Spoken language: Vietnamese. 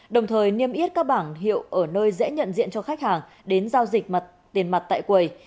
đồng thời niêm yết các bảng hiệu ở nơi dễ nhận diện cho khách hàng đến giao dịch mật tiền mặt tại quầy